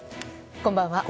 こんばんは。